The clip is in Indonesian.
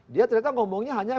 dia ternyata ngomongnya hanya